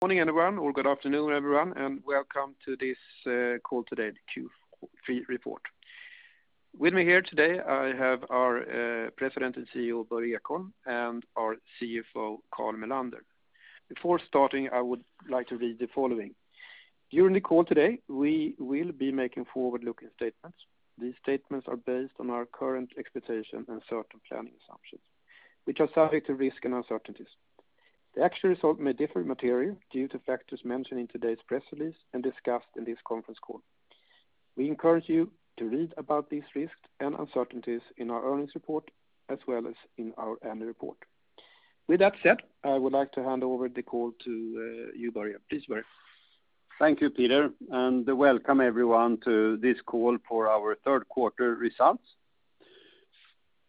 Morning, everyone, or good afternoon, everyone, and welcome to this call today, the Q3 report. With me here today, I have our President and CEO, Börje Ekholm, and our CFO, Carl Mellander. Before starting, I would like to read the following. During the call today, we will be making forward-looking statements. These statements are based on our current expectations and certain planning assumptions, which are subject to risks and uncertainties. The actual result may differ materially due to factors mentioned in today's press release and discussed in this conference call. We encourage you to read about these risks and uncertainties in our earnings report as well as in our annual report. With that said, I would like to hand over the call to you, Börje. Please, Börje. Thank you, Peter, and welcome everyone to this call for our third quarter results.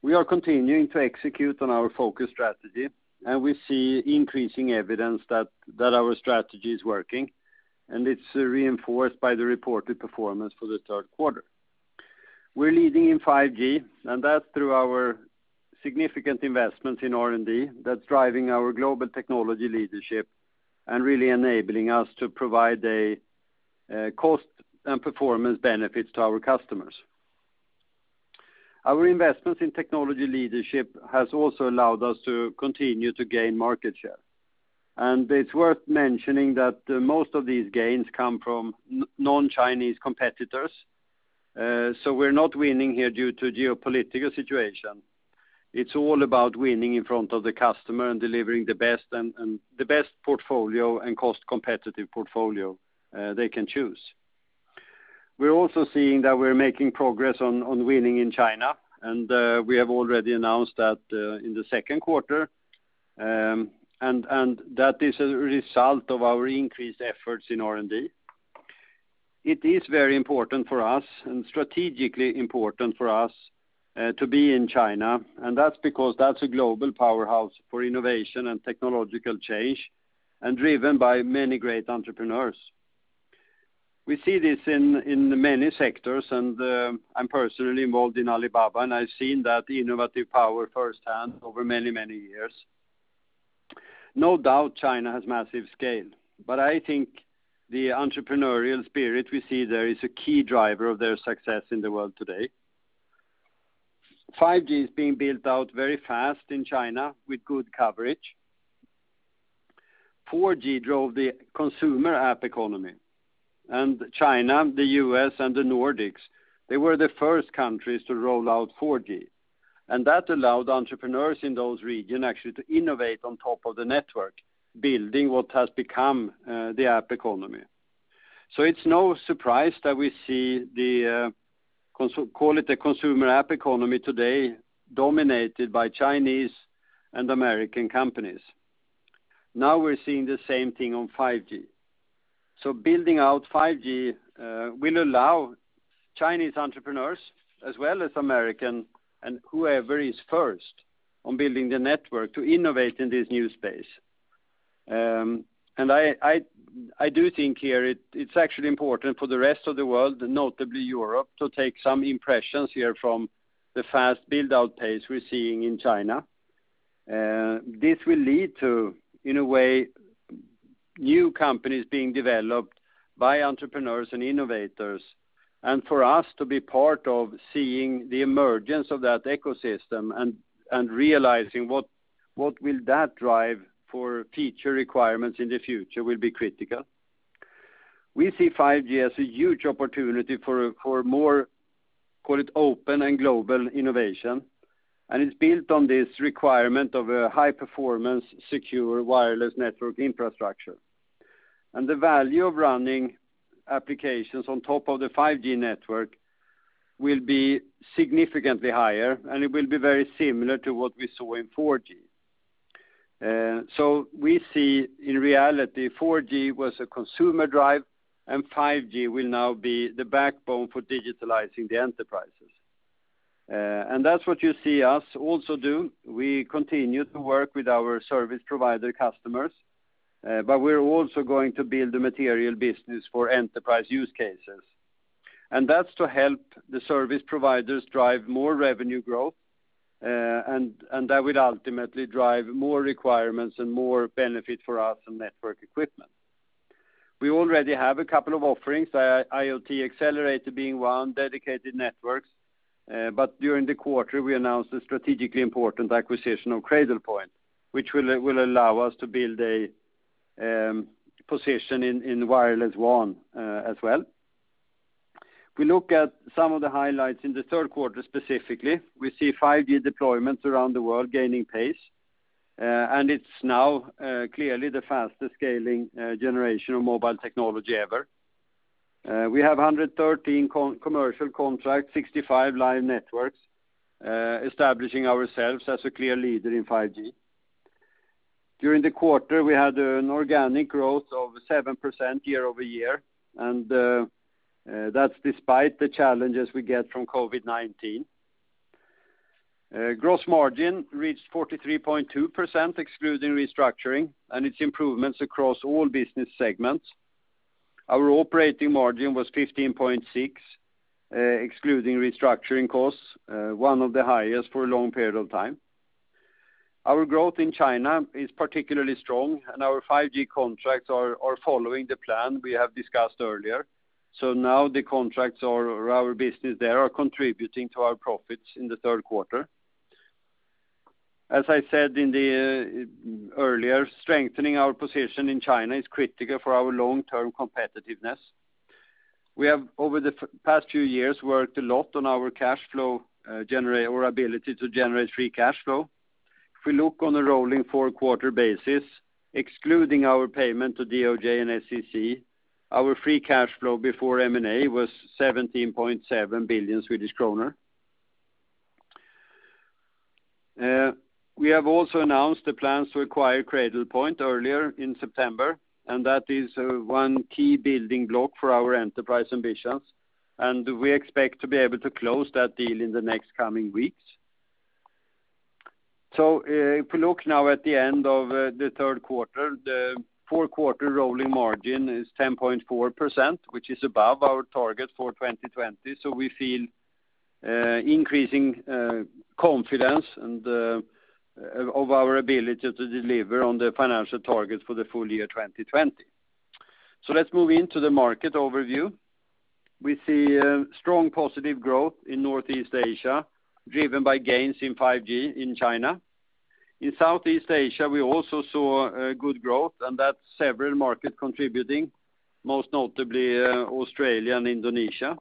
We are continuing to execute on our focus strategy, and we see increasing evidence that our strategy is working, and it's reinforced by the reported performance for the third quarter. We're leading in 5G, and that's through our significant investments in R&D that's driving our global technology leadership and really enabling us to provide cost and performance benefits to our customers. Our investments in technology leadership has also allowed us to continue to gain market share. It's worth mentioning that most of these gains come from non-Chinese competitors. We're not winning here due to geopolitical situation. It's all about winning in front of the customer and delivering the best portfolio and cost-competitive portfolio they can choose. We're also seeing that we're making progress on winning in China, and we have already announced that in the second quarter, and that is a result of our increased efforts in R&D. It is very important for us and strategically important for us to be in China, and that's because that's a global powerhouse for innovation and technological change and driven by many great entrepreneurs. We see this in many sectors, and I'm personally involved in Alibaba, and I've seen that innovative power firsthand over many, many years. No doubt China has massive scale, but I think the entrepreneurial spirit we see there is a key driver of their success in the world today. 5G is being built out very fast in China with good coverage. 4G drove the consumer app economy, and China, the U.S., and the Nordics, they were the first countries to roll out 4G. That allowed entrepreneurs in those regions actually to innovate on top of the network, building what has become the app economy. It's no surprise that we see the, call it the consumer app economy today, dominated by Chinese and American companies. Now we're seeing the same thing on 5G. Building out 5G will allow Chinese entrepreneurs, as well as Americans and whoever is first on building the network, to innovate in this new space. I do think here it's actually important for the rest of the world, notably Europe, to take some impressions here from the fast build-out pace we're seeing in China. This will lead to, in a way, new companies being developed by entrepreneurs and innovators. For us to be part of seeing the emergence of that ecosystem and realizing what will that drive for future requirements in the future will be critical. We see 5G as a huge opportunity for more, call it open and global innovation, and it's built on this requirement of a high-performance, secure wireless network infrastructure. The value of running applications on top of the 5G network will be significantly higher, and it will be very similar to what we saw in 4G. We see in reality, 4G was a consumer drive and 5G will now be the backbone for digitalizing the enterprises. That's what you see us also do. We continue to work with our service provider customers, but we're also going to build a material business for enterprise use cases. That's to help the service providers drive more revenue growth, and that will ultimately drive more requirements and more benefits for us in network equipment. We already have a couple of offerings, IoT Accelerator being one, Dedicated Networks, but during the quarter, we announced a strategically important acquisition of Cradlepoint, which will allow us to build a position in wireless WAN as well. We look at some of the highlights in the third quarter specifically. We see 5G deployments around the world gaining pace, and it is now clearly the fastest-scaling generation of mobile technology ever. We have 113 commercial contracts, 65 live networks, establishing ourselves as a clear leader in 5G. During the quarter, we had an organic growth of 7% year-over-year, and that is despite the challenges we get from COVID-19. Gross margin reached 43.2%, excluding restructuring, and it is improvements across all business segments. Our operating margin was 15.6%, excluding restructuring costs, one of the highest for a long period of time. Our growth in China is particularly strong, and our 5G contracts are following the plan we have discussed earlier. Now the contracts or our business there are contributing to our profits in the third quarter. As I said earlier, strengthening our position in China is critical for our long-term competitiveness. We have, over the past few years, worked a lot on our cash flow, or ability to generate free cash flow. If we look on a rolling four-quarter basis, excluding our payment to DOJ and SEC, our free cash flow before M&A was 17.7 billion Swedish kronor. We have also announced the plans to acquire Cradlepoint earlier in September, and that is one key building block for our Enterprise ambitions, and we expect to be able to close that deal in the next coming weeks. If you look now at the end of the third quarter, the four-quarter rolling margin is 10.4%, which is above our target for 2020. We feel increasing confidence of our ability to deliver on the financial targets for the full year 2020. Let's move into the market overview. We see strong positive growth in Northeast Asia, driven by gains in 5G in China. In Southeast Asia, we also saw good growth, and that's several markets contributing, most notably Australia and Indonesia.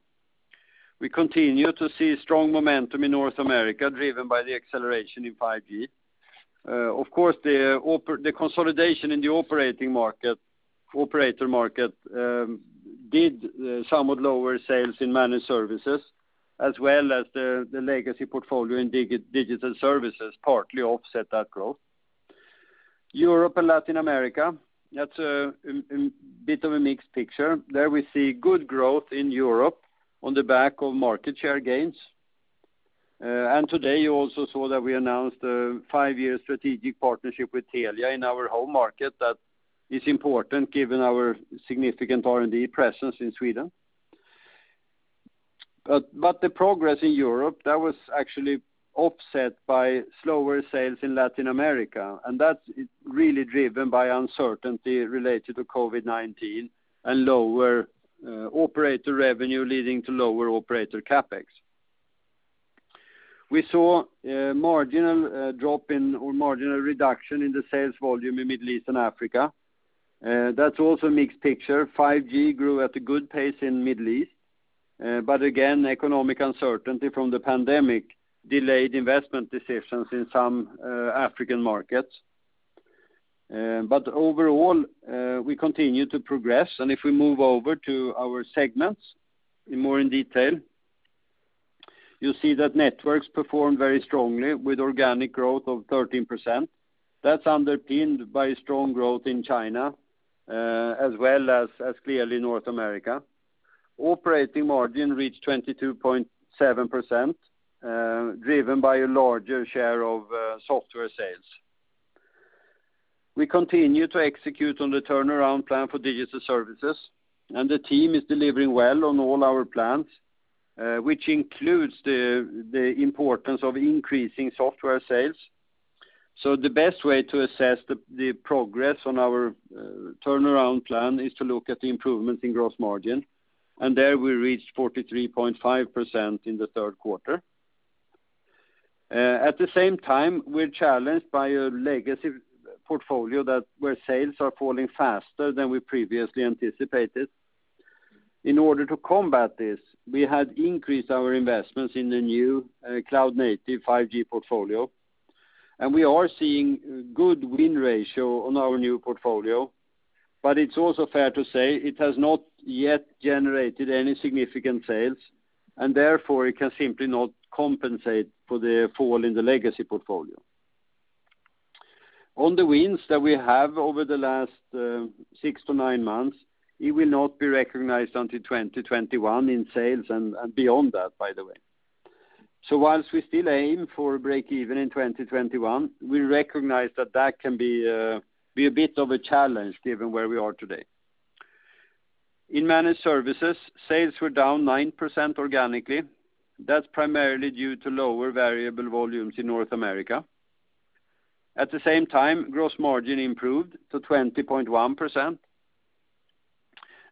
We continue to see strong momentum in North America, driven by the acceleration in 5G. Of course, the consolidation in the operator market did somewhat lower sales in Managed Services, as well as the legacy portfolio in digital services partly offset that growth. Europe and Latin America, that's a bit of a mixed picture. There we see good growth in Europe on the back of market share gains. Today you also saw that we announced a five-year strategic partnership with Telia in our home market. That is important given our significant R&D presence in Sweden. The progress in Europe, that was actually offset by slower sales in Latin America, and that's really driven by uncertainty related to COVID-19 and lower operating revenue leading to lower operating CapEx. We saw a marginal reduction in the sales volume in the Middle East and Africa. That's also a mixed picture. 5G grew at a good pace in the Middle East, but again, economic uncertainty from the pandemic delayed investment decisions in some African markets. Overall, we continue to progress. If we move over to our segments in more detail, you'll see that networks performed very strongly with organic growth of 13%. That's underpinned by strong growth in China as well as clearly North America. Operating margin reached 22.7%, driven by a larger share of software sales. We continue to execute on the turnaround plan for digital services, and the team is delivering well on all our plans, which includes the importance of increasing software sales. The best way to assess the progress on our turnaround plan is to look at the improvement in gross margin, and there we reached 43.5% in the third quarter. At the same time, we're challenged by a legacy portfolio where sales are falling faster than we previously anticipated. In order to combat this, we had increased our investments in the new cloud-native 5G portfolio, and we are seeing good win ratio on our new portfolio. It's also fair to say it has not yet generated any significant sales, and therefore, it can simply not compensate for the fall in the legacy portfolio. On the wins that we have over the last six to nine months, it will not be recognized until 2021 in sales and beyond that, by the way. Whilst we still aim for breakeven in 2021, we recognize that that can be a bit of a challenge given where we are today. In Managed Services, sales were down 9% organically. That's primarily due to lower variable volumes in North America. At the same time, gross margin improved to 20.1%,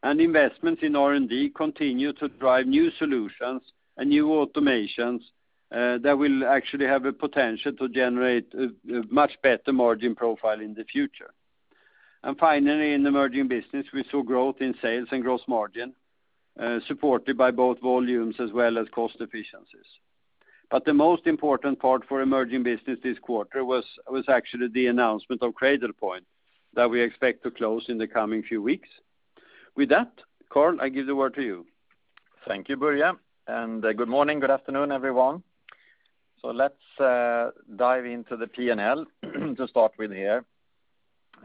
and investments in R&D continue to drive new solutions and new automations that will actually have a potential to generate a much better margin profile in the future. Finally, in emerging business, we saw growth in sales and gross margin, supported by both volumes as well as cost efficiencies. The most important part for emerging business this quarter was actually the announcement of Cradlepoint that we expect to close in the coming few weeks. With that, Carl, I give the word to you. Thank you, Börje. Good morning, good afternoon, everyone. Let's dive into the P&L to start with here.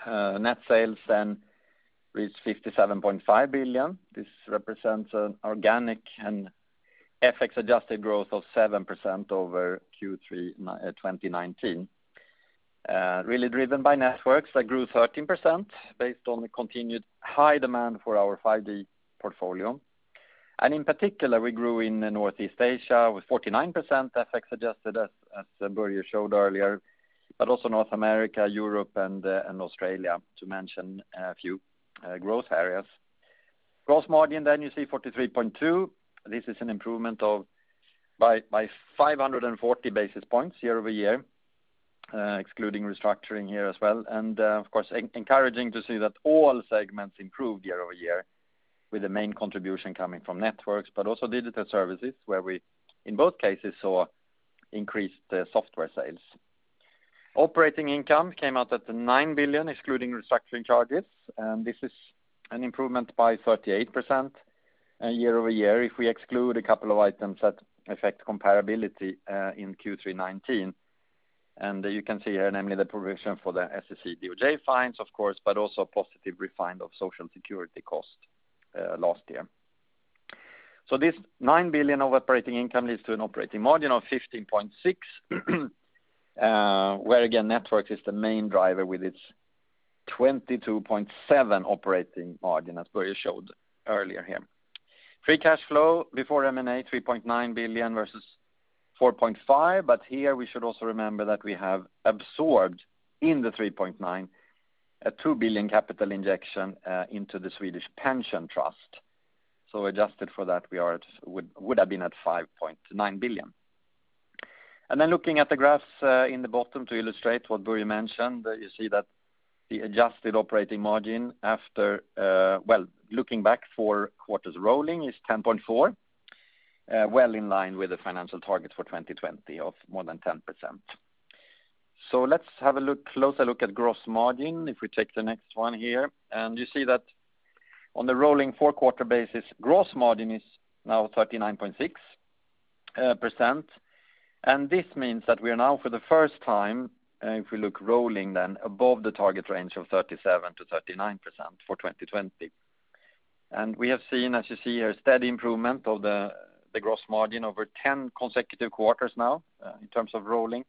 Net sales reached 57.5 billion. This represents an organic and FX-adjusted growth of 7% over Q3 2019, really driven by Networks that grew 13%, based on the continued high demand for our 5G portfolio. In particular, we grew in Northeast Asia with 49% FX-adjusted, as Börje showed earlier. Also, North America, Europe, and Australia, to mention a few growth areas. Gross margin, you see 43.2%. This is an improvement by 540 basis points year-over-year, excluding restructuring here as well. Of course, encouraging to see that all segments improved year-over-year with the main contribution coming from Networks, but also digital services, where we, in both cases, saw increased software sales. Operating income came out at 9 billion, excluding restructuring charges. This is an improvement by 38% year-over-year if we exclude a couple of items that affect comparability in Q3 2019. You can see here, namely the provision for the SEC DOJ fines, of course, but also positive refund of social security cost last year. This 9 billion of operating income leads to an operating margin of 15.6%. Where again, Networks is the main driver with its 22.7% operating margin, as Börje showed earlier here. Free cash flow before M&A, 3.9 billion versus 4.5 billion. Here we should also remember that we have absorbed in the 3.9 billion, a 2 billion capital injection into the Swedish Pension Trust. Adjusted for that, we would have been at 5.9 billion. Looking at the graphs in the bottom to illustrate what Börje mentioned, you see that the adjusted operating margin, looking back four quarters rolling, is 10.4%, well in line with the financial target for 2020 of more than 10%. Let's have a closer look at gross margin if we take the next one here. You see that on the rolling four quarter basis, gross margin is now 39.6%. This means that we are now, for the first time, if we look rolling then, above the target range of 37%-39% for 2020. We have seen, as you see here, steady improvement of the gross margin over 10 consecutive quarters now in terms of rolling,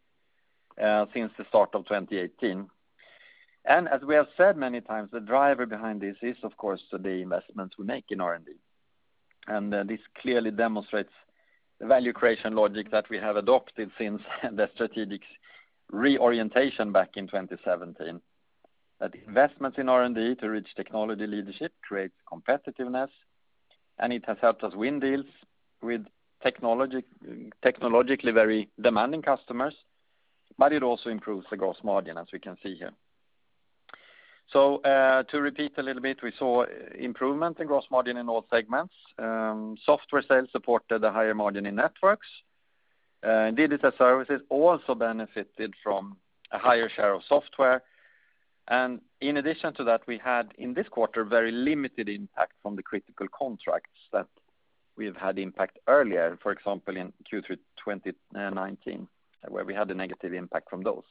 since the start of 2018. As we have said many times, the driver behind this is, of course, the investments we make in R&D. This clearly demonstrates the value creation logic that we have adopted since the strategic reorientation back in 2017, that investments in R&D to reach technology leadership create competitiveness, and it has helped us win deals with technologically very demanding customers, but it also improves the gross margin, as we can see here. To repeat a little bit, we saw improvement in gross margin in all segments. Software sales supported the higher margin in Networks. Digital Services also benefited from a higher share of software. In addition to that, we had in this quarter, very limited impact from the critical contracts that we have had impact earlier. For example, in Q3 2019, where we had the negative impact from those.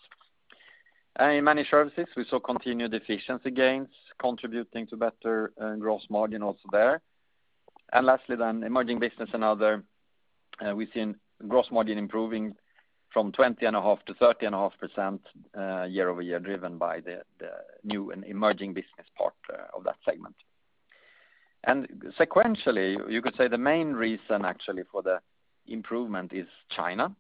In Managed Services, we saw continued efficiency gains contributing to better gross margin also there. Lastly then, Emerging Business and Other, we've seen gross margin improving from 20.5% to 30.5% year-over-year driven by the new and emerging business part of that segment. Sequentially, you could say the main reason actually for the improvement is China.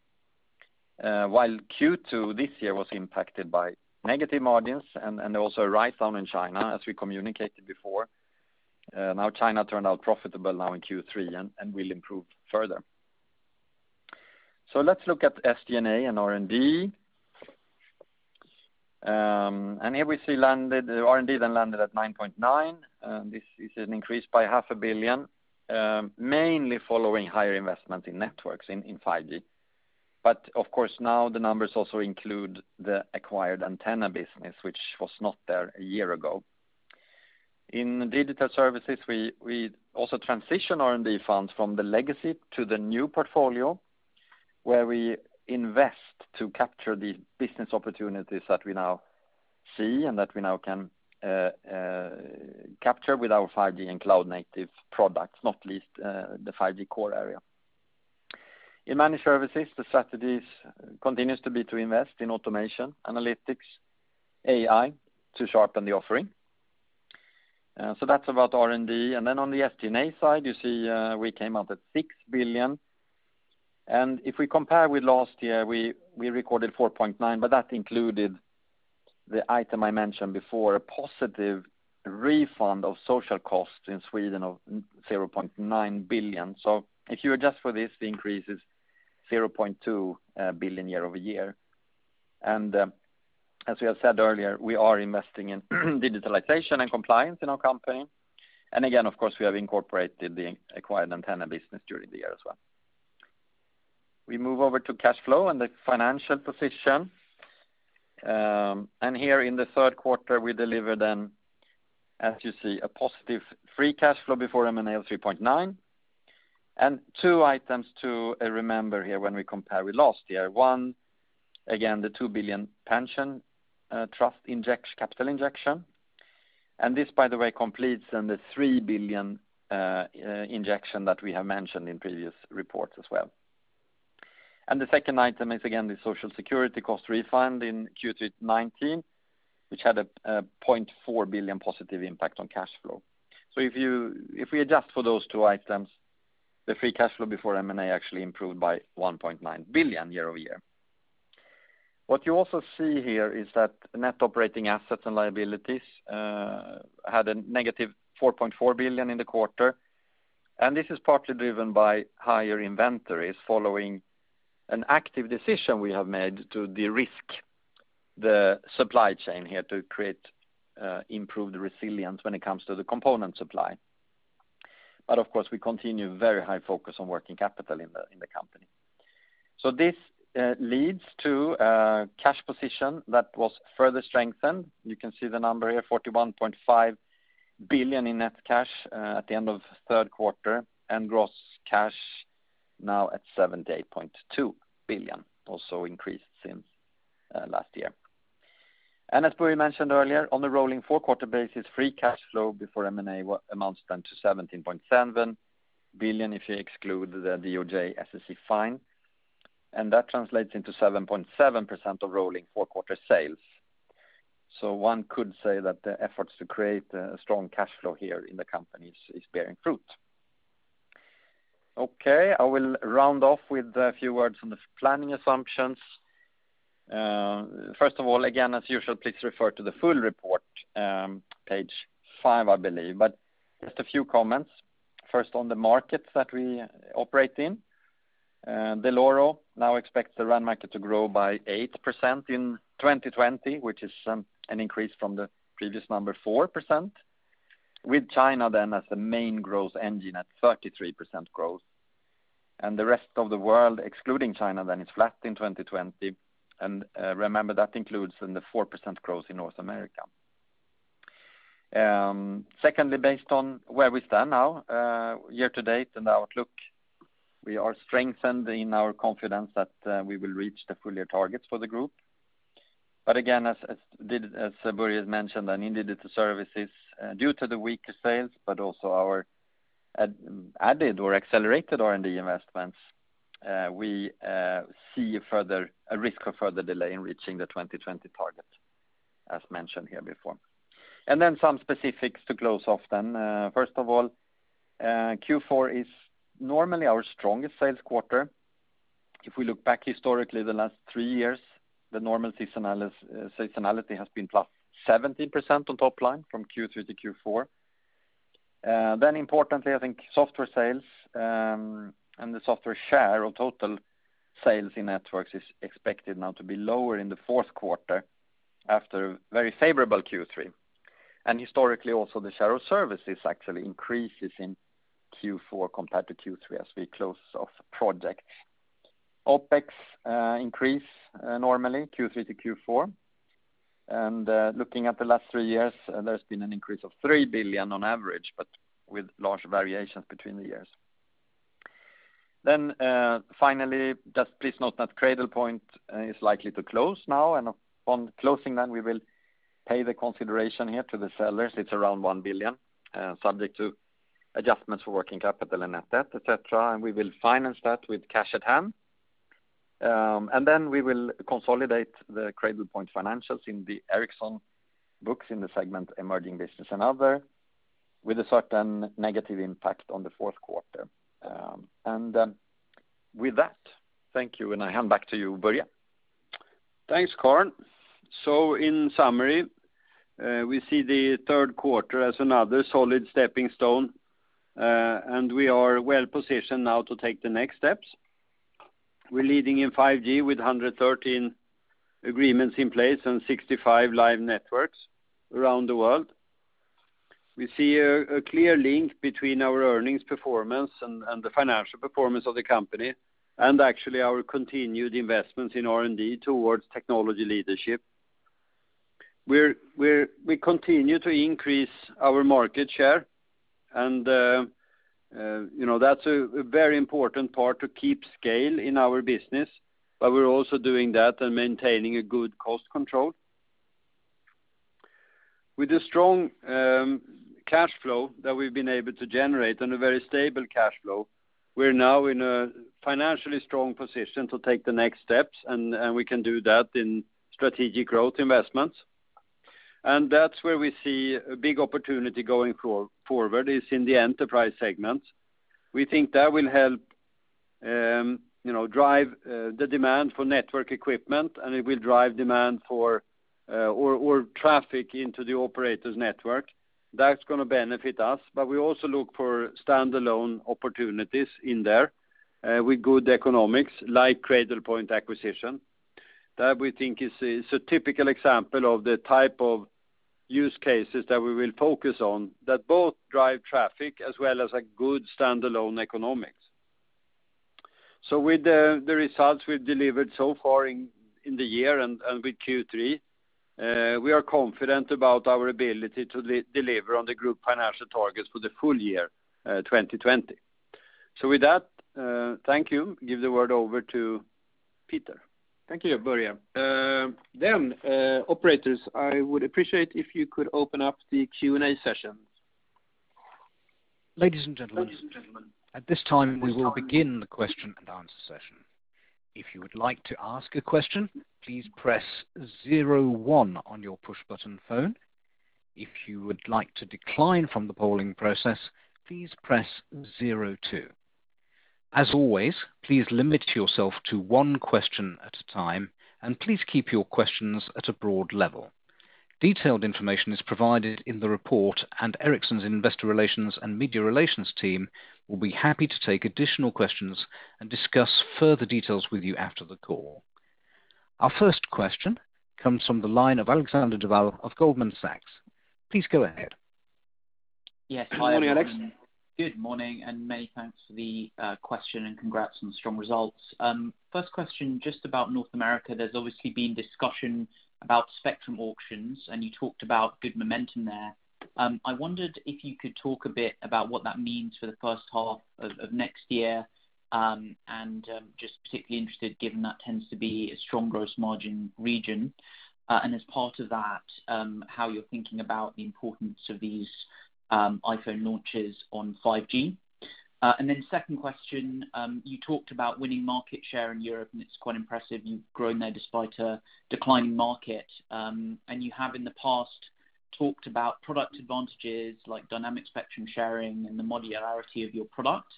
While Q2 this year was impacted by negative margins and also a write-down in China, as we communicated before. Now China turned out profitable now in Q3 and will improve further. Let's look at SG&A and R&D. Here we see R&D then landed at 9.9%. This is an increase by 500 million, mainly following higher investment in Networks in 5G. Of course, now the numbers also include the acquired antenna business, which was not there a year ago. In digital services, we also transition R&D funds from the legacy to the new portfolio, where we invest to capture these business opportunities that we now see and that we now can capture with our 5G and cloud-native products, not least the 5G core area. In Managed Services, the strategies continue to be to invest in automation, analytics, AI, to sharpen the offering. That's about R&D. On the SG&A side, you see we came out at 6 billion. If we compare with last year, we recorded 4.9 billion, but that included the item I mentioned before, a positive refund of social cost in Sweden of 0.9 billion. If you adjust for this, the increase is 0.2 billion year-over-year. As we have said earlier, we are investing in digitalization and compliance in our company. Again, of course, we have incorporated the acquired antenna business during the year as well. We move over to cash flow and the financial position. Here in the third quarter, we deliver then, as you see, a positive free cash flow before M&A of 3.9 billion. Two items to remember here when we compare with last year. One, again, the 2 billion Pension Trust capital injection. This, by the way, completes in the 3 billion injection that we have mentioned in previous reports as well. The second item is, again, the Social Security cost refund in Q3 2019, which had a 0.4 billion positive impact on cash flow. If we adjust for those two items, the free cash flow before M&A actually improved by 1.9 billion year-over-year. What you also see here is that net operating assets and liabilities had a -4.4 billion in the quarter. This is partly driven by higher inventories following an active decision we have made to de-risk the supply chain here to create improved resilience when it comes to the component supply. Of course, we continue very high focus on working capital in the company. This leads to a cash position that was further strengthened. You can see the number here, 41.5 billion in net cash at the end of the third quarter. Gross cash now at 78.2 billion, also increased since last year. As Börje mentioned earlier, on the rolling four-quarter basis, free cash flow before M&A amounts then to 17.7 billion if you exclude the DOJ/SEC fine. That translates into 7.7% of rolling four-quarter sales. One could say that the efforts to create a strong cash flow here in the company is bearing fruit. Okay, I will round off with a few words on the planning assumptions. First of all, again, as usual, please refer to the full report, page five, I believe. Just a few comments. First, on the markets that we operate in. Dell'Oro now expects the RAN market to grow by 8% in 2020, which is an increase from the previous number, 4%, with China then as the main growth engine at 33% growth. The rest of the world, excluding China, then it's flat in 2020. Remember, that includes the 4% growth in North America. Secondly, based on where we stand now year to date and outlook, we are strengthened in our confidence that we will reach the full-year targets for the Group. Again, as Börje has mentioned, in Digital Services, due to the weaker sales, but also our added or accelerated R&D investments, we see a risk of further delay in reaching the 2020 target, as mentioned here before. Some specifics to close off. First of all, Q4 is normally our strongest sales quarter. If we look back historically, the last three years, the normal seasonality has been +70% on top line from Q3-Q4. Importantly, I think software sales and the software share of total sales in Networks is expected now to be lower in the fourth quarter after a very favorable Q3. Historically, also the share of services actually increases in Q4 compared to Q3 as we close off projects. OpEx increase normally Q3-Q4. Looking at the last three years, there's been an increase of 3 billion on average, but with large variations between the years. Finally, just please note that Cradlepoint is likely to close now, and upon closing then we will pay the consideration here to the sellers. It's around 1 billion, subject to adjustments for working capital and net debt, etc., and we will finance that with cash at hand. Then we will consolidate the Cradlepoint financials in the Ericsson books in the segment Emerging Business and Other, with a certain negative impact on the fourth quarter. With that, thank you. I hand back to you, Börje. Thanks, Carl. In summary, we see the third quarter as another solid steppingstone, and we are well positioned now to take the next steps. We're leading in 5G with 113 agreements in place and 65 live networks around the world. We see a clear link between our earnings performance and the financial performance of the company, and actually, our continued investments in R&D towards technology leadership. We continue to increase our market share, and that's a very important part to keep scale in our business. We're also doing that and maintaining good cost control. With the strong cash flow that we've been able to generate, and a very stable cash flow, we're now in a financially strong position to take the next steps, and we can do that in strategic growth investments. That's where we see a big opportunity going forward, is in the Enterprise segment. We think that will help drive the demand for network equipment, and it will drive demand for, or traffic into the operators' network. That's going to benefit us. We also look for standalone opportunities in there with good economics, like Cradlepoint acquisition. That we think is a typical example of the type of use cases that we will focus on that both drive traffic as well as a good standalone economics. With the results we've delivered so far in the year and with Q3, we are confident about our ability to deliver on the Group financial targets for the full year 2020. With that, thank you. Give the word over to Peter. Thank you, Börje. Operators, I would appreciate if you could open up the Q&A session. Ladies and gentlemen, at this time, we will begin the question-and-answer session. If you would like to ask a question, please press star zero one on your push-button phone. If you like to decline from the polling process, please press zero two. As always, please limit yourself to one question at a time, and please keep your questions at a broad level. Detailed information is provided in the report, and Ericsson's investor relations and media relations team will be happy to take additional questions and discuss further details with you after the call. Our first question comes from the line of Alexander Duval of Goldman Sachs. Please go ahead. Yes. Hi. Good morning, Alex. Good morning. Many thanks for the question, and congrats on strong results. First question, just about North America. There's obviously been discussion about spectrum auctions, and you talked about good momentum there. I wondered if you could talk a bit about what that means for the first half of next year, and just particularly interested, given that tends to be a strong gross margin region. As part of that, how you're thinking about the importance of these iPhone launches on 5G. Second question, you talked about winning market share in Europe, and it's quite impressive you've grown there despite a declining market. You have in the past talked about product advantages like dynamic spectrum sharing and the modularity of your product.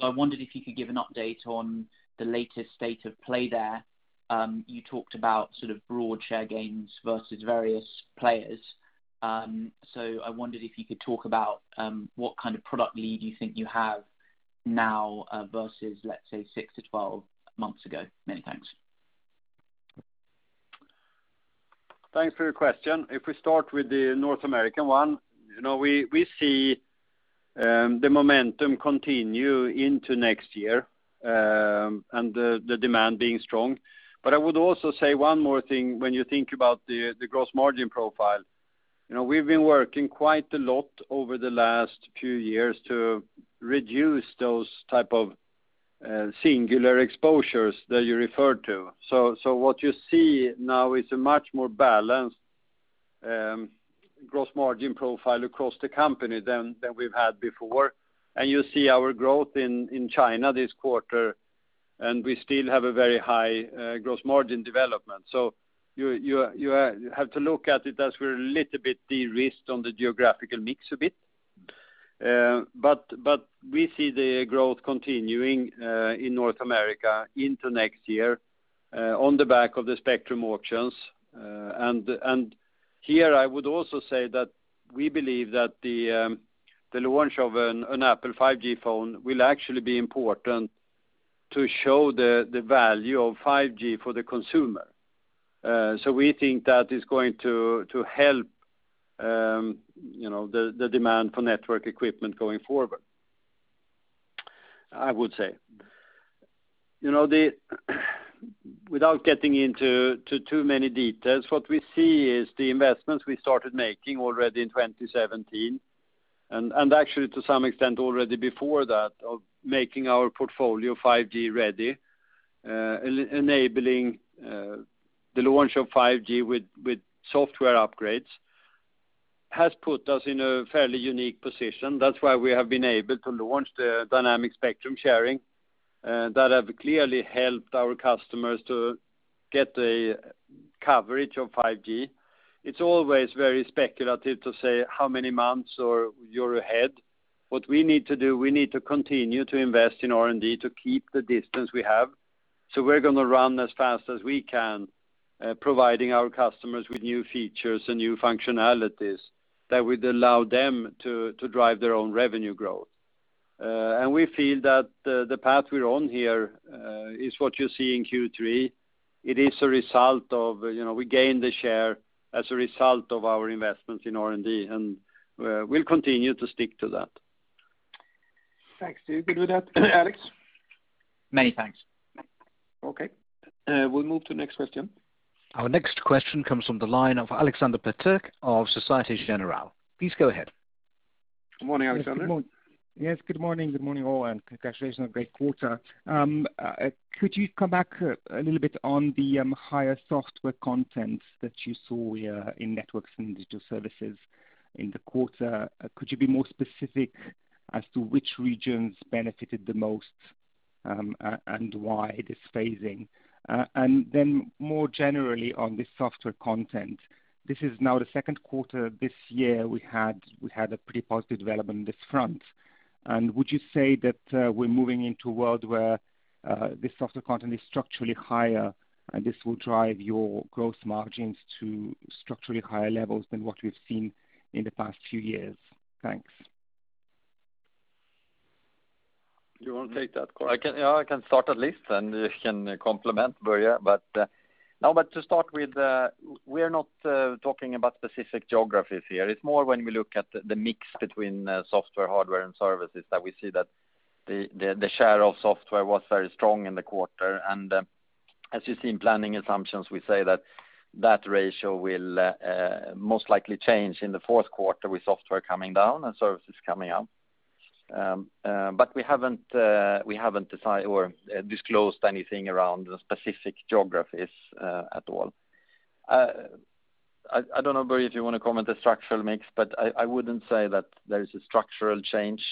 I wondered if you could give an update on the latest state of play there. You talked about sort of broad share gains versus various players. I wondered if you could talk about what kind of product lead you think you have now versus, let's say, 6-12 months ago. Many thanks. Thanks for your question. If we start with the North American one, we see the momentum continue into next year and the demand being strong. I would also say one more thing when you think about the gross margin profile. We've been working quite a lot over the last few years to reduce those types of singular exposures that you referred to. What you see now is a much more balanced gross margin profile across the company than we've had before. You see our growth in China this quarter, and we still have a very high gross margin development. You have to look at it as we're a little bit de-risked on the geographical mix a bit. We see the growth continuing in North America into next year on the back of the spectrum auctions. Here, I would also say that we believe that the launch of an Apple 5G phone will actually be important to show the value of 5G for the consumer. We think that is going to help the demand for network equipment going forward, I would say. Without getting into too many details, what we see is the investments we started making already in 2017, and actually, to some extent, already before that, of making our portfolio 5G ready, enabling the launch of 5G with software upgrades, has put us in a fairly unique position. That's why we have been able to launch the dynamic spectrum sharing that have clearly helped our customers to get a coverage of 5G. It's always very speculative to say how many months or you're ahead. What we need to do, we need to continue to invest in R&D to keep the distance we have. We're going to run as fast as we can, providing our customers with new features and new functionalities that would allow them to drive their own revenue growth. We feel that the path we're on here is what you see in Q3. We gained the share as a result of our investments in R&D, and we'll continue to stick to that. Thanks. You good with that, Alex? Many thanks. Okay. We'll move to next question. Our next question comes from the line of Alexander Peterc of Societe Generale. Please go ahead. Good morning, Alexander. Yes, good morning. Good morning, all, and congratulations on a great quarter. Could you come back a little bit on the higher software content that you saw in Networks and Digital Services in the quarter? Could you be more specific as to which regions benefited the most and why this phasing? Then more generally, on this software content, this is now the second quarter this year we had a pretty positive development on this front. Would you say that we're moving into a world where this software content is structurally higher, and this will drive your gross margins to structurally higher levels than what we've seen in the past few years? Thanks. You want to take that, Carl? I can start at least, and you can complement, Börje. Now, to start with, we're not talking about specific geographies here. It's more when we look at the mix between software, hardware, and services that we see that the share of software was very strong in the quarter. As you see in planning assumptions, we say that ratio will most likely change in the fourth quarter with software coming down and services coming up. We haven't decided or disclosed anything around the specific geographies at all. I don't know, Börje, if you want to comment the structural mix, but I wouldn't say that there is a structural change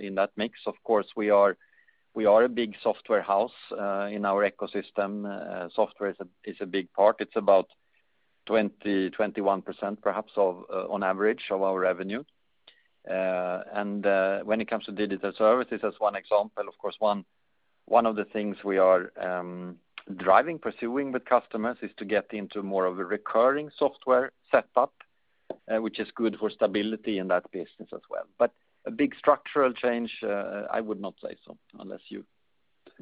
in that mix. Of course, we are a big software house in our ecosystem. Software is a big part. It's about 20%-21%, perhaps, on average of our revenue. When it comes to digital services, as one example, of course, one of the things we are driving, pursuing with customers is to get into more of a recurring software setup, which is good for stability in that business as well. A big structural change, I would not say so. Unless you,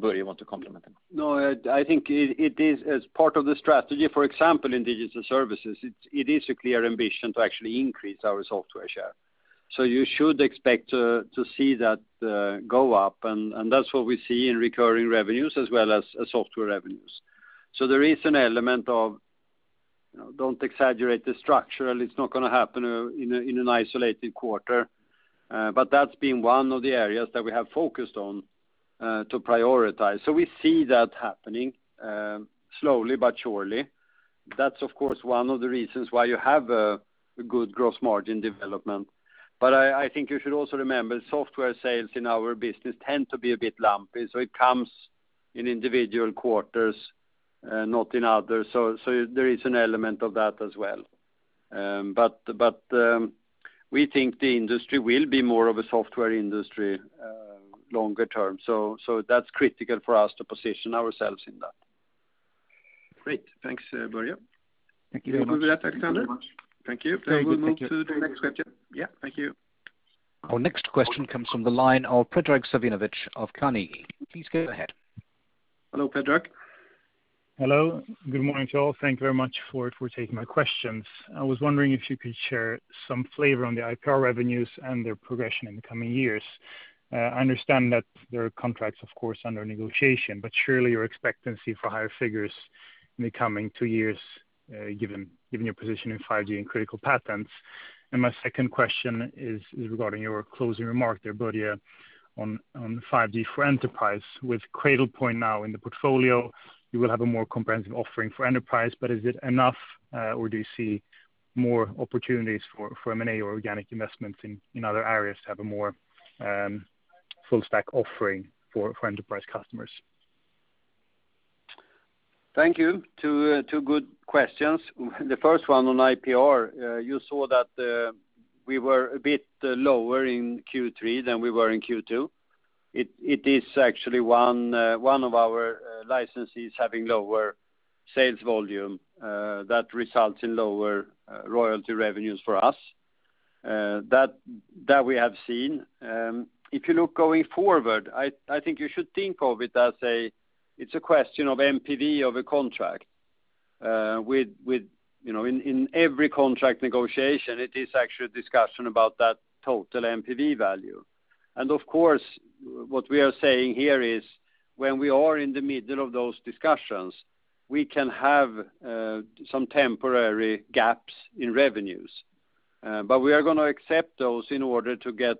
Börje, want to complement it. I think it is as part of the strategy, for example, in digital services, it is a clear ambition to actually increase our software share. You should expect to see that go up, and that's what we see in recurring revenues as well as software revenues. There is an element of, don't exaggerate the structural, it's not going to happen in an isolated quarter. That's been one of the areas that we have focused on to prioritize. We see that happening, slowly but surely. That's, of course, one of the reasons why you have a good gross margin development. I think you should also remember, software sales in our business tend to be a bit lumpy. It comes in individual quarters, not in others. There is an element of that as well. We think the industry will be more of a software industry longer term. That's critical for us to position ourselves in that. Great. Thanks, Börje. Thank you very much. We'll leave it at that, Alexander. Thank you. Thank you. We'll move to the next question. Yeah, thank you. Our next question comes from the line of Predrag Savinovic of Carnegie. Please go ahead. Hello, Predrag. Hello. Good morning to all. Thank you very much for taking my questions. I was wondering if you could share some flavor on the IPR revenues and their progression in the coming years. I understand that there are contracts, of course, under negotiation, but surely your expectancy for higher figures in the coming two years, given your position in 5G and critical patents. My second question is regarding your closing remark there, Börje, on the 5G for Enterprise. With Cradlepoint now in the portfolio, you will have a more comprehensive offering for Enterprise, but is it enough or do you see more opportunities for M&A or organic investments in other areas to have a more full-stack offering for Enterprise customers? Thank you. Two good questions. The first one on IPR, you saw that we were a bit lower in Q3 than we were in Q2. It is actually one of our licensees having lower sales volume that results in lower royalty revenues for us. That we have seen. If you look going forward, I think you should think of it as a question of NPV of a contract. In every contract negotiation, it is actually a discussion about that total NPV value. Of course, what we are saying here is when we are in the middle of those discussions, we can have some temporary gaps in revenues. We are going to accept those in order to get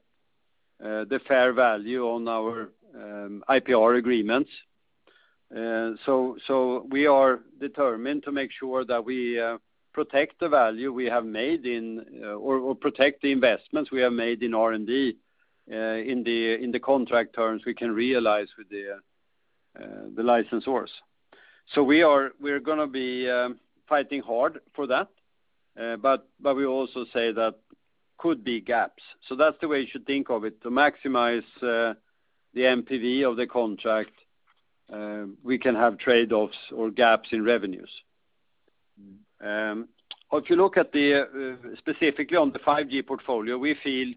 the fair value on our IPR agreements. We are determined to make sure that we protect the value we have made in or protect the investments we have made in R&D in the contract terms we can realize with the licensors. We're going to be fighting hard for that. We also say that could be gaps. That's the way you should think of it. To maximize the NPV of the contract, we can have trade-offs or gaps in revenues. If you look specifically on the 5G portfolio, we feel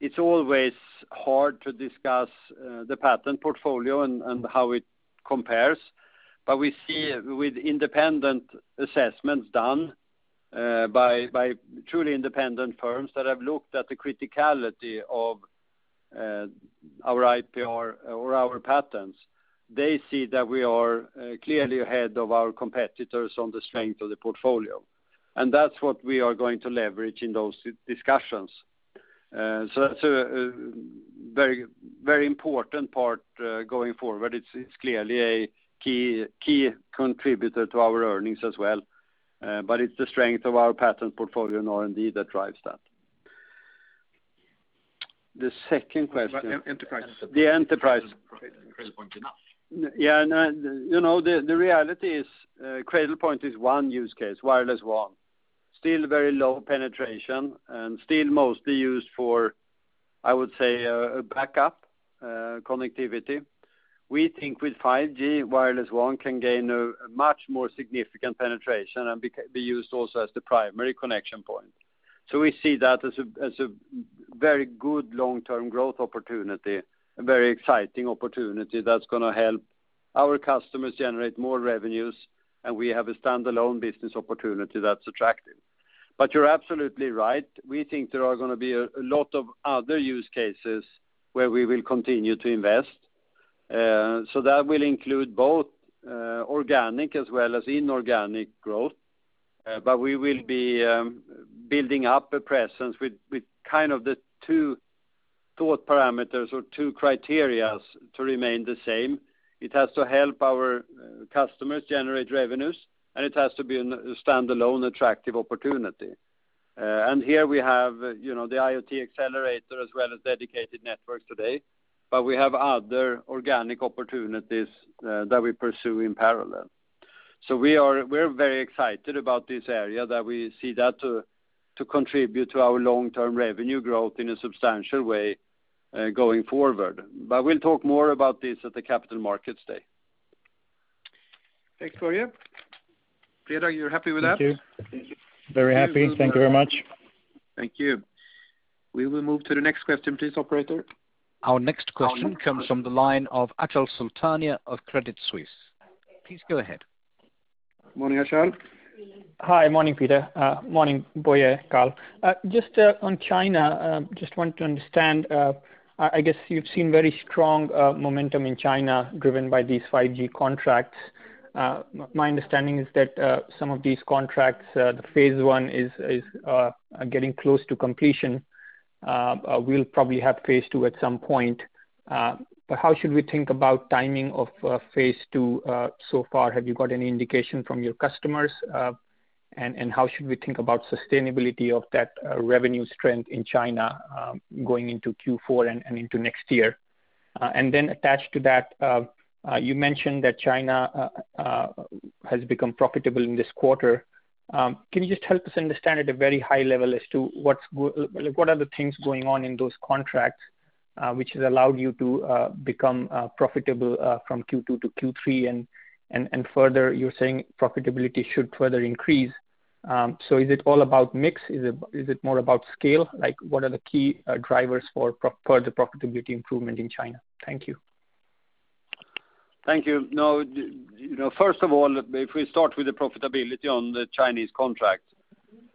it's always hard to discuss the patent portfolio and how it compares. We see with independent assessments done by truly independent firms that have looked at the criticality of our IPR or our patents, they see that we are clearly ahead of our competitors on the strength of the portfolio. That's what we are going to leverage in those discussions. That's a very important part going forward. It's clearly a key contributor to our earnings as well. It's the strength of our patent portfolio and R&D that drives that. The second question. About Enterprise The Enterprise. Cradlepoint enough? Yeah. The reality is Cradlepoint is one use case, wireless WAN. Still very low penetration and still mostly used for, I would say, backup connectivity. We think with 5G, wireless WAN can gain a much more significant penetration and be used also as the primary connection point. We see that as a very good long-term growth opportunity, a very exciting opportunity that's going to help our customers generate more revenues, and we have a standalone business opportunity that's attractive. You're absolutely right. We think there are going to be a lot of other use cases where we will continue to invest. That will include both organic as well as inorganic growth. We will be building up a presence with the two thought parameters or two criteria to remain the same. It has to help our customers generate revenues, and it has to be a standalone, attractive opportunity. Here we have the IoT Accelerator as well as Dedicated Networks today, but we have other organic opportunities that we pursue in parallel. We're very excited about this area that we see that to contribute to our long-term revenue growth in a substantial way going forward. We'll talk more about this at the Capital Markets Day. Thanks, Börje. Pedrag, you're happy with that? Thank you. Very happy. Thank you very much. Thank you. We will move to the next question please, operator. Our next question comes from the line of Achal Sultania of Credit Suisse. Please go ahead. Morning, Achal. Hi. Morning, Peter. Morning, Börje, Carl. Just on China, just want to understand, I guess you've seen very strong momentum in China driven by these 5G contracts. My understanding is that some of these contracts, the phase I is getting close to completion. We'll probably have phase II at some point. How should we think about timing of phase II so far? Have you got any indication from your customers? How should we think about sustainability of that revenue strength in China going into Q4 and into next year? Attached to that, you mentioned that China has become profitable in this quarter. Can you just help us understand at a very high level as to what are the things going on in those contracts which has allowed you to become profitable from Q2 to Q3? Further, you're saying profitability should further increase. Is it all about mix? Is it more about scale? What are the key drivers for further profitability improvement in China? Thank you. Thank you. First of all, if we start with the profitability on the Chinese contract,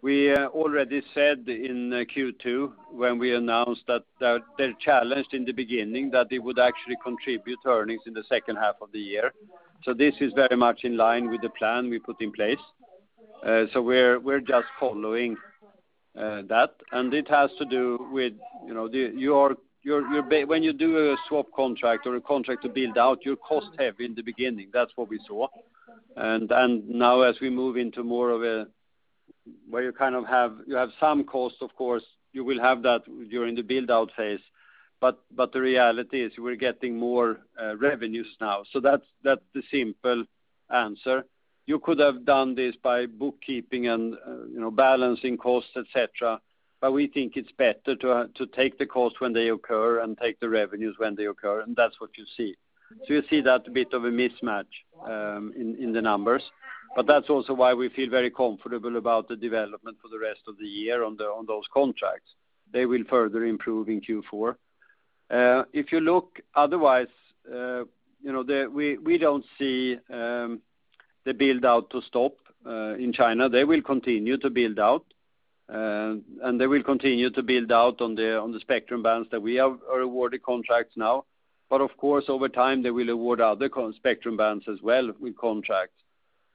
we already said in Q2 when we announced that they're challenged in the beginning, that they would actually contribute earnings in the second half of the year. This is very much in line with the plan we put in place. We're just following that, and it has to do with when you do a swap contract or a contract to build out, you're cost-heavy in the beginning. That's what we saw. Now, as we move into where you have some cost, of course, you will have that during the build-out phase. The reality is we're getting more revenues now. That's the simple answer. You could have done this by bookkeeping and balancing costs, et cetera. We think it's better to take the cost when they occur and take the revenues when they occur, and that's what you see. You see that bit of a mismatch in the numbers. That's also why we feel very comfortable about the development for the rest of the year on those contracts. They will further improve in Q4. If you look otherwise, we don't see the build-out to stop in China. They will continue to build out, and they will continue to build out on the spectrum bands that we have awarded contracts now. Of course, over time, they will award other spectrum bands as well with contracts.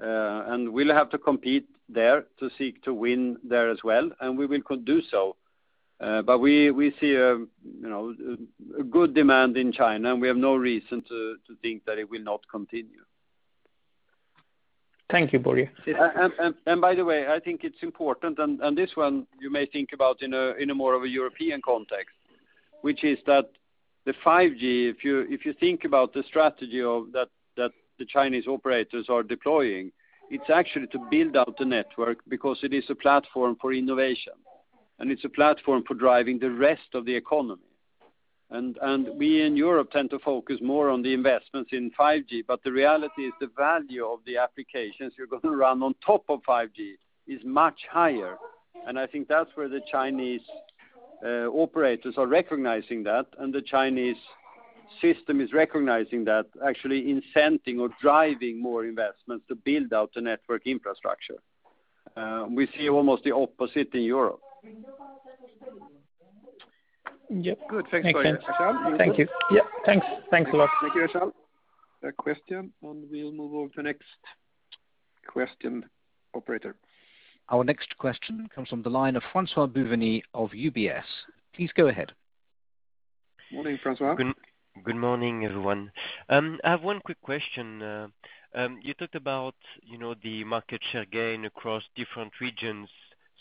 We'll have to compete there to seek to win there as well, and we will do so. We see a good demand in China, and we have no reason to think that it will not continue. Thank you, Börje. By the way, I think it's important, and this one you may think about in a more of a European context, which is that the 5G, if you think about the strategy that the Chinese operators are deploying, it's actually to build out the network because it is a platform for innovation, and it's a platform for driving the rest of the economy. We in Europe tend to focus more on the investments in 5G, but the reality is the value of the applications you're going to run on top of 5G is much higher. I think that's where the Chinese operators are recognizing that, and the Chinese system is recognizing that, actually incenting or driving more investments to build out the network infrastructure. We see almost the opposite in Europe. Good. Thanks, Achal. Thank you. Yeah, thanks. Thanks a lot. Thank you, Achal. Next question, and we'll move over to the next question, operator. Our next question comes from the line of François Bouvignies of UBS. Please go ahead. Morning, François. Good morning, everyone. I have one quick question. You talked about the market share gain across different regions.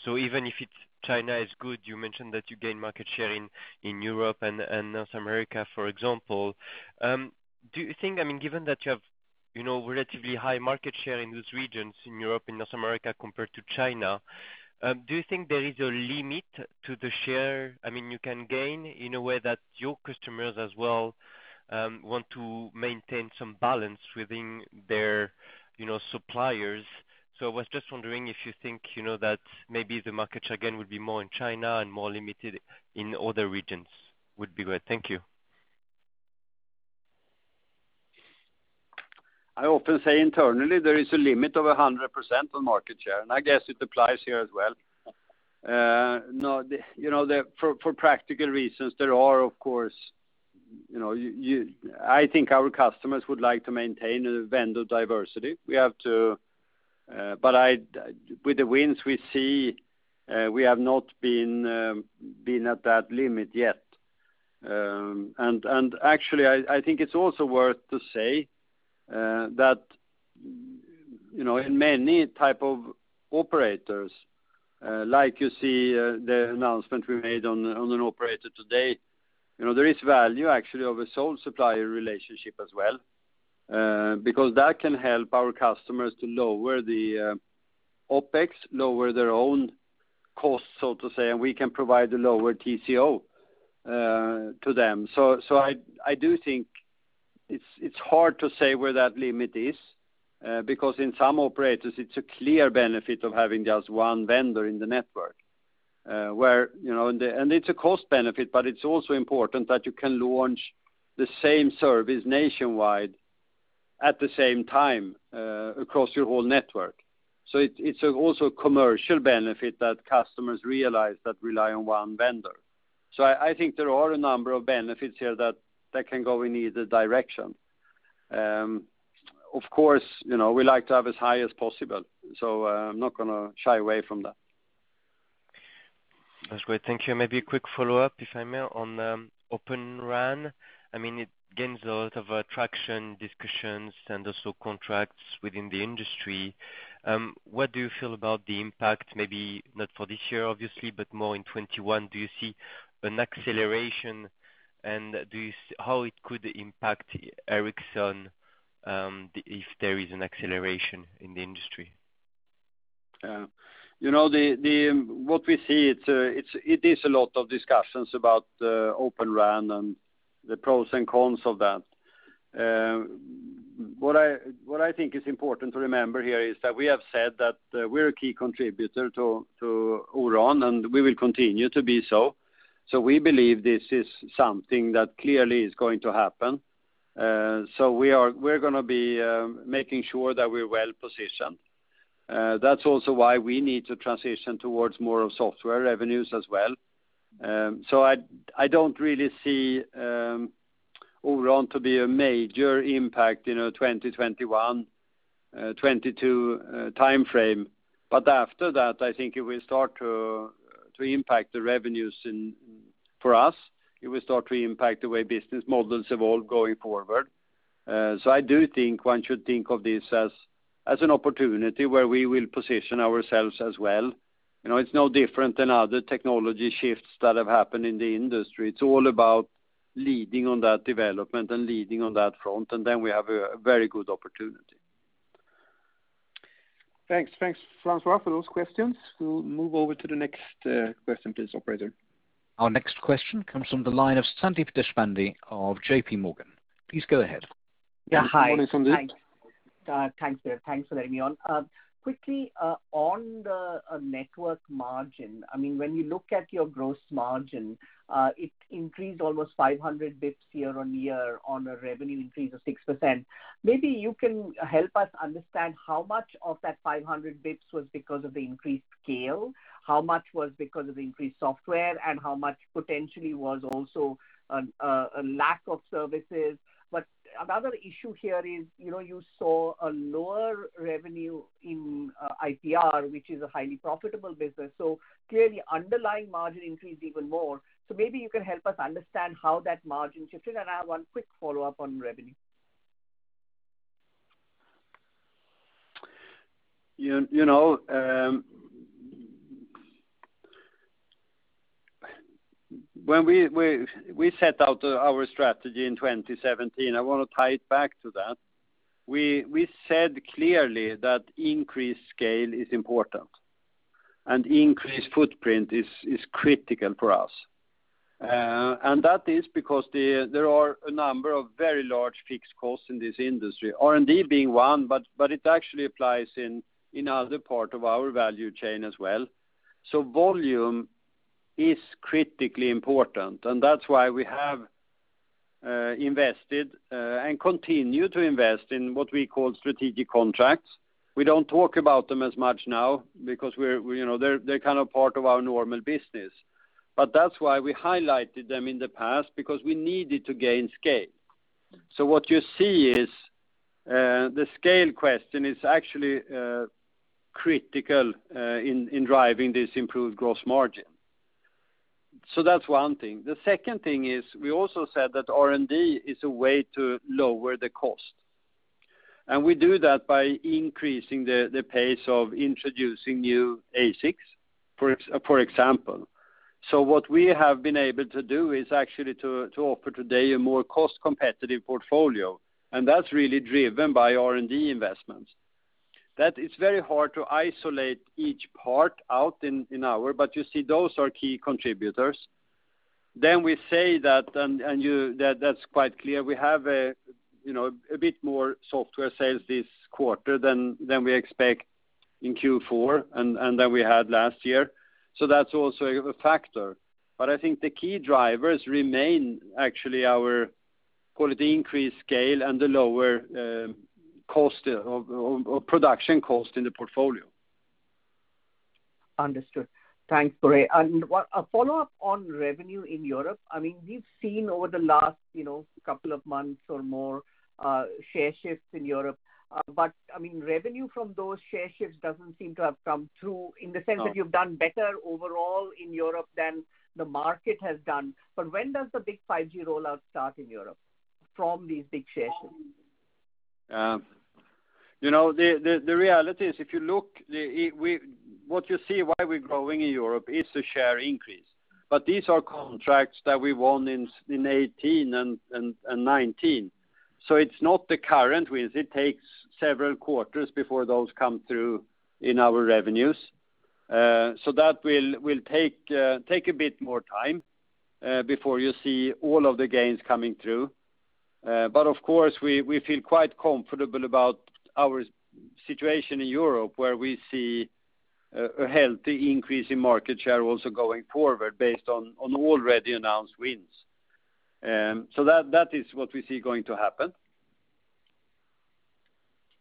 Even if China is good, you mentioned that you gain market share in Europe and North America, for example. Given that you have relatively high market share in those regions, in Europe and North America compared to China, do you think there is a limit to the share you can gain in a way that your customers as well want to maintain some balance within their suppliers? I was just wondering if you think that maybe the market share gain would be more in China and more limited in other regions. Would be great. Thank you. I often say internally there is a limit of 100% on market share, and I guess it applies here as well. For practical reasons, I think our customers would like to maintain vendor diversity. With the wins we see, we have not been at that limit yet. Actually, I think it's also worth to say that in many type of operators, like you see the announcement we made on an operator today, there is value actually of a sole supplier relationship as well, because that can help our customers to lower the OpEx, lower their own costs, so to say, and we can provide a lower TCO to them. I do think it's hard to say where that limit is, because in some operators, it's a clear benefit of having just one vendor in the network. It's a cost-benefit, but it's also important that you can launch the same service nationwide at the same time across your whole network. It's also a commercial benefit that customers realize that rely on one vendor. I think there are a number of benefits here that can go in either direction. Of course, we like to have as high as possible, so I'm not going to shy away from that. That's great. Thank you. Maybe a quick follow-up, if I may, on Open RAN. It gains a lot of traction, discussions, and also contracts within the industry. What do you feel about the impact, maybe not for this year, obviously, but more in 2021? Do you see an acceleration, and how it could impact Ericsson if there is an acceleration in the industry? What we see, it is a lot of discussions about Open RAN and the pros and cons of that. What I think is important to remember here is that we have said that we're a key contributor to O-RAN, and we will continue to be so. We believe this is something that clearly is going to happen. We're going to be making sure that we're well-positioned. That's also why we need to transition towards more of software revenues as well. I don't really see O-RAN to be a major impact, 2021, 2022 timeframe. After that, I think it will start to impact the revenues for us. It will start to impact the way business models evolve going forward. I do think one should think of this as an opportunity where we will position ourselves as well. It's no different than other technology shifts that have happened in the industry. It's all about leading on that development and leading on that front, and then we have a very good opportunity. Thanks, François, for those questions. We'll move over to the next question, please, operator. Our next question comes from the line of Sandeep Deshpande of JPMorgan. Please go ahead. Good morning, Sandeep. Thanks. Thanks for letting me on. Quickly, on the Network margin, when we look at your gross margin, it increased almost 500 basis points year-over-year on a revenue increase of 6%. Maybe you can help us understand how much of that 500 basis points was because of the increased scale, how much was because of increased software, and how much potentially was also a lack of services. Another issue here is, you saw a lower revenue in IPR, which is a highly profitable business. Clearly, underlying margin increased even more. Maybe you can help us understand how that margin shifted, and I have one quick follow-up on revenue. When we set out our strategy in 2017, I want to tie it back to that. We said clearly that increased scale is important and increased footprint is critical for us. That is because there are a number of very large fixed costs in this industry, R&D being one, but it actually applies in other part of our value chain as well. Volume is critically important, and that's why we have invested and continue to invest in what we call strategic contracts. We don't talk about them as much now because they're part of our normal business. That's why we highlighted them in the past, because we needed to gain scale. What you see is the scale question is actually critical in driving this improved gross margin. That's one thing. The second thing is we also said that R&D is a way to lower the cost. We do that by increasing the pace of introducing new ASICs, for example. What we have been able to do is actually to offer today a more cost-competitive portfolio, and that's really driven by R&D investments. That is very hard to isolate each part out in our, but you see those are key contributors. We say that, and that's quite clear, we have a bit more software sales this quarter than we expect in Q4 and that we had last year. That's also a factor. I think the key drivers remain actually, our quality increased scale and the lower production cost in the portfolio. Understood. Thanks, Börje. A follow-up on revenue in Europe. We've seen over the last couple of months or more, share shifts in Europe. Revenue from those share shifts doesn't seem to have come through in the sense that you've done better overall in Europe than the market has done. When does the big 5G rollout start in Europe from these big share shifts? The reality is, if you look, what you see why we're growing in Europe is the share increase. These are contracts that we won in 2018 and 2019. It's not the current wins. It takes several quarters before those come through in our revenues. That will take a bit more time before you see all of the gains coming through. Of course, we feel quite comfortable about our situation in Europe, where we see a healthy increase in market share also going forward based on already announced wins. That is what we see going to happen.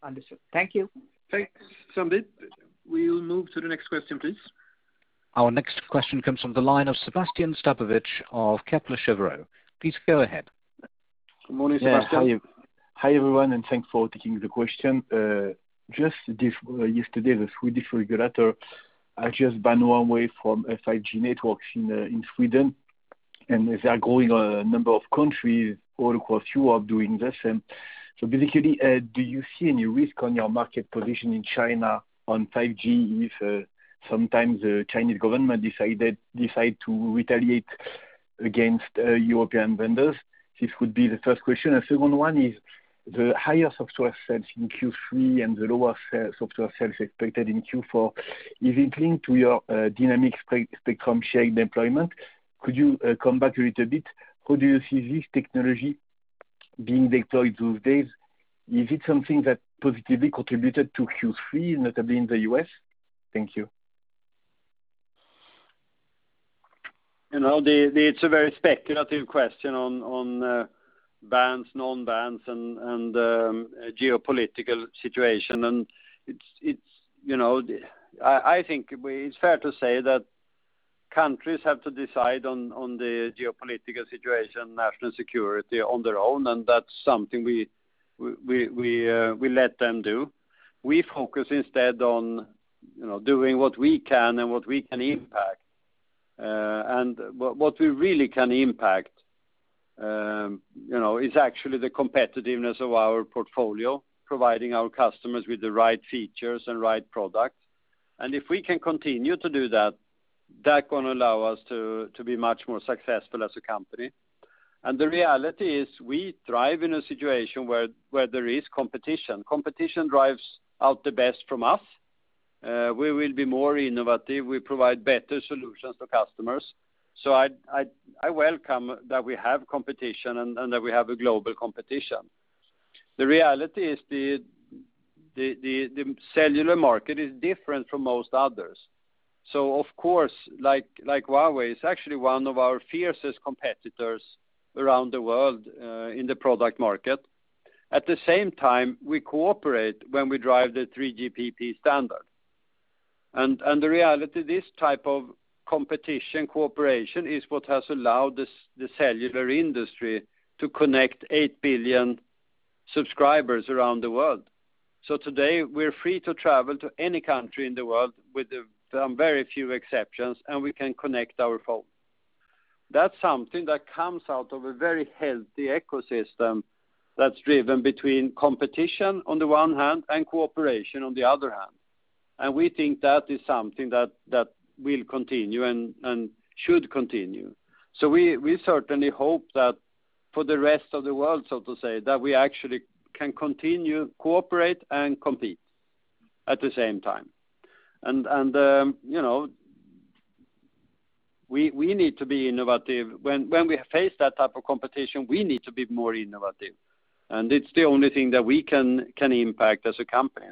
Understood. Thank you. Thanks, Sandeep. We'll move to the next question, please. Our next question comes from the line of Sébastien Sztabowicz of Kepler Cheuvreux. Please go ahead. Good morning, Sébastien. Hi, everyone, and thanks for taking the question. Just yesterday, the Swedish regulator has just banned Huawei from 5G networks in Sweden. They are growing a number of countries, all of course, who are doing the same. Basically, do you see any risk on your market position in China on 5G if sometimes the Chinese Government decides to retaliate against European vendors? This would be the first question. The second one is, the higher software sales in Q3 and the lower software sales expected in Q4, is it linked to your dynamic spectrum sharing deployment? Could you come back to it a bit? How do you see this technology being deployed these days? Is it something that positively contributed to Q3, notably in the U.S.? Thank you. It's a very speculative question on bans, non-bans, and the geopolitical situation. I think it's fair to say that countries have to decide on the geopolitical situation, national security on their own, and that's something we let them do. We focus instead on doing what we can and what we can impact. What we really can impact is actually the competitiveness of our portfolio, providing our customers with the right features and right products. If we can continue to do that, going to allow us to be much more successful as a company. The reality is we thrive in a situation where there is competition. Competition drives out the best from us. We will be more innovative. We provide better solutions to customers. I welcome that we have competition and that we have a global competition. The reality is the cellular market is different from most others. Of course, like Huawei is actually one of our fiercest competitors around the world in the product market. At the same time, we cooperate when we drive the 3GPP standard. The reality, this type of competition cooperation is what has allowed the cellular industry to connect 8 billion subscribers around the world. Today, we're free to travel to any country in the world with very few exceptions, and we can connect our phone. That's something that comes out of a very healthy ecosystem that's driven between competition on the one hand and cooperation on the other hand. We think that is something that will continue and should continue. We certainly hope that for the rest of the world, so to say, that we actually can continue to cooperate and compete at the same time. We need to be innovative. When we face that type of competition, we need to be more innovative. It's the only thing that we can impact as a company.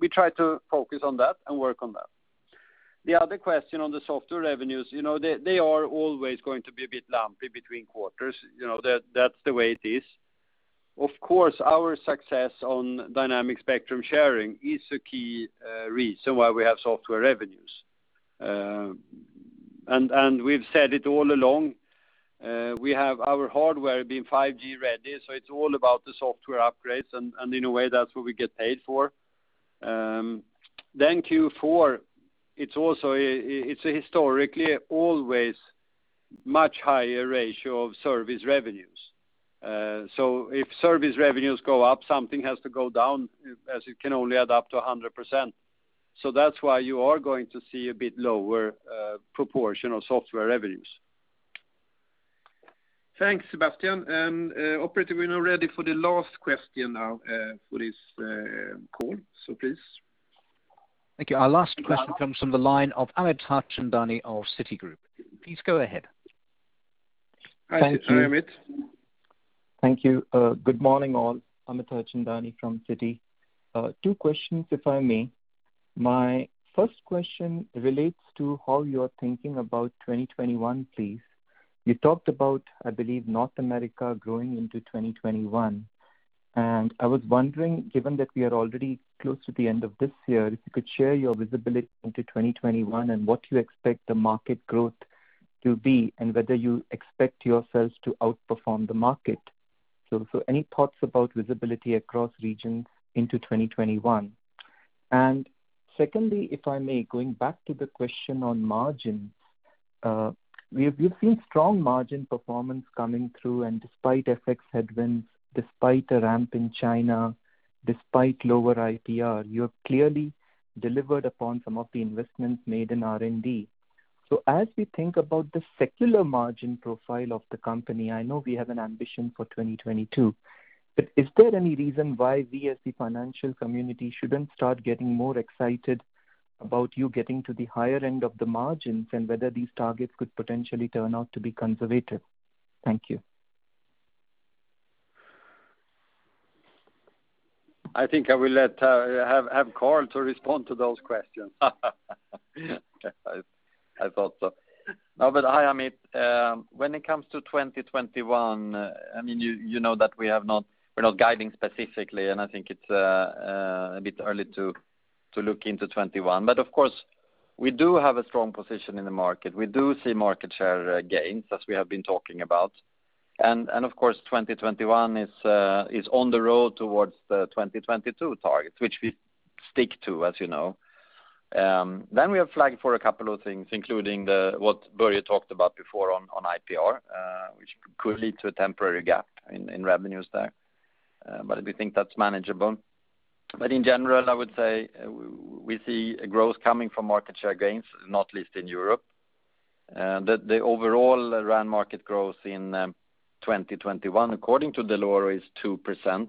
We try to focus on that and work on that. The other question on the software revenues, they are always going to be a bit lumpy between quarters. That's the way it is. Of course, our success on dynamic spectrum sharing is a key reason why we have software revenues. We've said it all along. We have our hardware being 5G ready, so it's all about the software upgrades, and in a way, that's what we get paid for. Q4, it's historically always much higher ratio of service revenues. If service revenues go up, something has to go down as it can only add up to 100%. That's why you are going to see a bit lower proportion of software revenues. Thanks, Sébastien. Operator, we're now ready for the last question now for this call. Please. Thank you. Our last question comes from the line of Amit Harchandani of Citigroup. Please go ahead. Hi, Amit. Thank you. Good morning, all. Amit Harchandani from Citi. Two questions, if I may. My first question relates to how you're thinking about 2021, please. You talked about, I believe, North America growing into 2021, and I was wondering, given that we are already close to the end of this year, if you could share your visibility into 2021 and what you expect the market growth to be, and whether you expect yourselves to outperform the market. Any thoughts about visibility across regions into 2021? Secondly, if I may, going back to the question on margins. We have seen strong margin performance coming through, and despite FX headwinds, despite a ramp in China, despite lower IPR, you have clearly delivered upon some of the investments made in R&D. As we think about the secular margin profile of the company, I know we have an ambition for 2022, but is there any reason why we, as the financial community, shouldn't start getting more excited about you getting to the higher end of the margins, and whether these targets could potentially turn out to be conservative? Thank you. I think I will have Carl to respond to those questions. I thought so. Hi, Amit. When it comes to 2021, you know that we're not guiding specifically. I think it's a bit early to look into 2021. Of course, we do have a strong position in the market. We do see market share gains, as we have been talking about. Of course, 2021 is on the road towards the 2022 target, which we stick to, as you know. We have flagged for a couple of things, including what Börje talked about before on IPR, which could lead to a temporary gap in revenues there. We think that's manageable. In general, I would say we see a growth coming from market share gains, not least in Europe. The overall RAN market growth in 2021, according to Dell'Oro is 2%.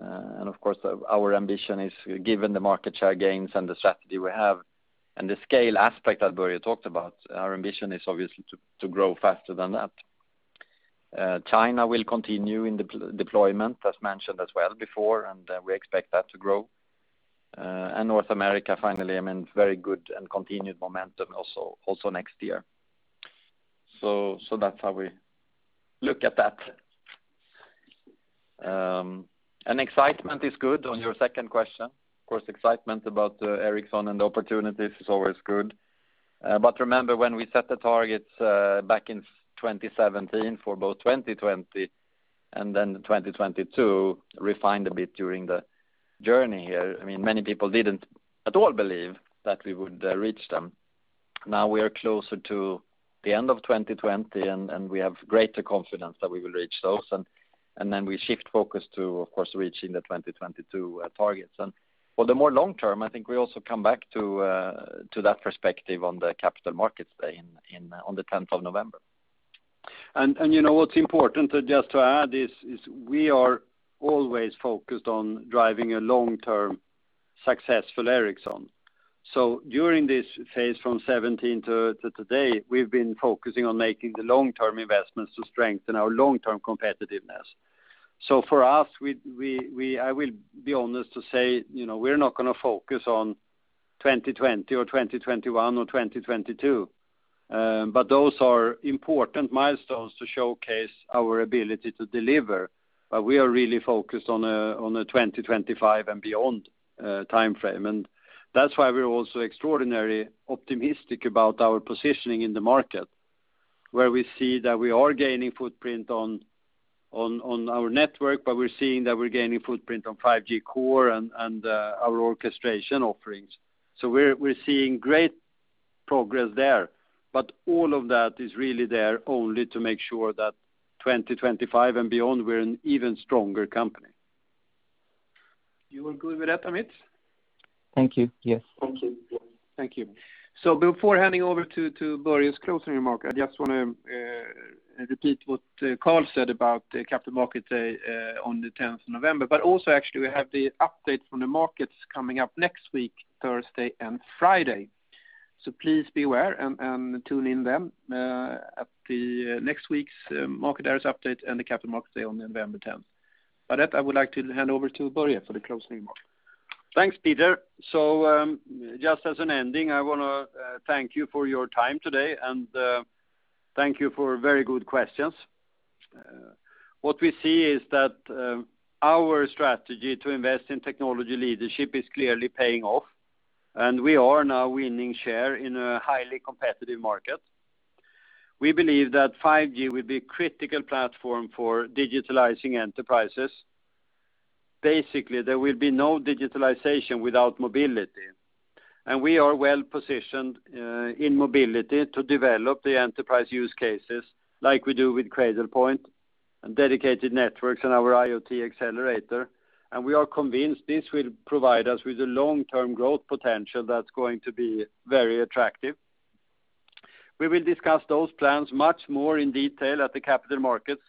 Of course, our ambition is, given the market share gains and the strategy we have and the scale aspect that Börje talked about, our ambition is obviously to grow faster than that. China will continue in deployment, as mentioned as well before, and we expect that to grow. North America, finally, very good and continued momentum also next year. That's how we look at that. Excitement is good on your second question. Of course, excitement about Ericsson and the opportunities is always good. Remember, when we set the targets back in 2017 for both 2020 and then 2022, refined a bit during the journey here. Many people didn't at all believe that we would reach them. Now we are closer to the end of 2020, and we have greater confidence that we will reach those. We shift focus to, of course, reaching the 2022 targets. For the more long term, I think we also come back to that perspective on the Capital Markets Day on November 10th. You know what's important, just to add, is we are always focused on driving a long-term successful Ericsson. During this phase from 2017 to today, we've been focusing on making the long-term investments to strengthen our long-term competitiveness. For us, I will be honest to say we're not going to focus on 2020 or 2021 or 2022. Those are important milestones to showcase our ability to deliver. We are really focused on the 2025 and beyond timeframe. That's why we're also extraordinarily optimistic about our positioning in the market, where we see that we are gaining footprint on our Network, but we're seeing that we're gaining footprint on 5G core and our orchestration offerings. We're seeing great progress there. All of that is really there only to make sure that 2025 and beyond, we're an even stronger company. You are good with that, Amit? Thank you. Yes. Thank you. Before handing over to Börje's closing remark, I just want to repeat what Carl said about the Capital Markets Day on November 10th. Also, actually, we have the update from the markets coming up next week, Thursday and Friday. Please be aware and tune in then at the next week's market areas update and the Capital Markets Day on November 10th. With that, I would like to hand over to Börje for the closing remark. Thanks, Peter. Just as an ending, I want to thank you for your time today and thank you for very good questions. What we see is that our strategy to invest in technology leadership is clearly paying off, and we are now winning share in a highly competitive market. We believe that 5G will be a critical platform for digitalizing enterprises. Basically, there will be no digitalization without mobility. We are well-positioned in mobility to develop the enterprise use cases like we do with Cradlepoint, Dedicated Networks and our IoT Accelerator. We are convinced this will provide us with a long-term growth potential that's going to be very attractive. We will discuss those plans much more in detail at the capital markets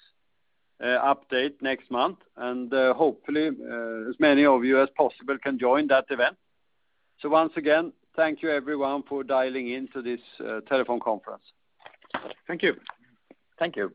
update next month, and hopefully, as many of you as possible can join that event. Once again, thank you, everyone for dialing in to this telephone conference. Thank you. Thank you.